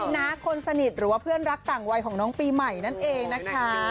น้าคนสนิทหรือว่าเพื่อนรักต่างวัยของน้องปีใหม่นั่นเองนะคะ